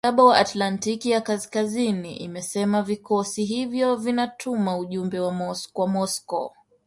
mkataba wa atlantiki ya kaskazini imesema vikosi hivyo vinatuma ujumbe kwa Moscow